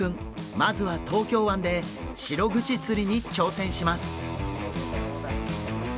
まずは東京湾でシログチ釣りに挑戦します！